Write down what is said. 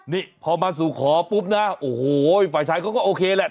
นี่พอมาสู่ขอปุ๊บนะโอ้โหฝ่ายชายเขาก็โอเคแหละ